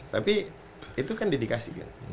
tapi itu kan dedikasi